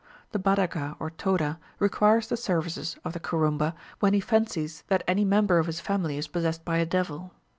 The Badaga or Toda requires the services of the Kurumba, when he fancies that any member of his family is possessed by a devil.